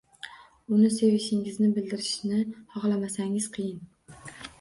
Uni sevishingizni bildirishni xohlamasangiz, qiyin.